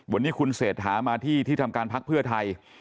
วันนี้คุณเศรษฐามาที่ที่ทำการพักเพื่อไทย